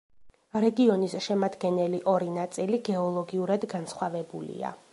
რეგიონის შემადგენელი ორი ნაწილი გეოლოგიურად განსხვავებულია.